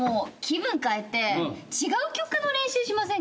気分変えて違う曲の練習しませんか？